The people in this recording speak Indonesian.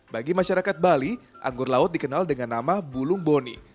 bagi masyarakat bali anggur laut dikenal dengan nama bulung boni